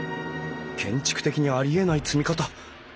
建築的にありえない積み方。